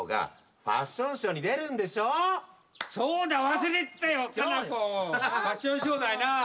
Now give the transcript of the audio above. ファッションショーだよな。